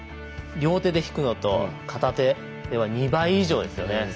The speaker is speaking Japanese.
両手で引くのと片手では２倍以上ですよね。